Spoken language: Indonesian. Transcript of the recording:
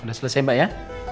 sudah selesai mbak ya